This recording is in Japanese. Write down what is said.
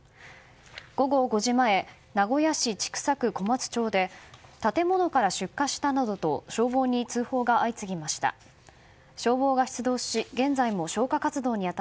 午後５時前名古屋市千種区小松町で建物から出火したなどと消防に通報が相次ぎました。